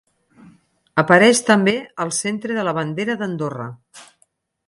Apareix també al centre de la bandera d'Andorra.